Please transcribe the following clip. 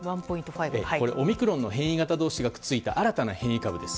オミクロンの変異型同士がくっついた新たな変異株です。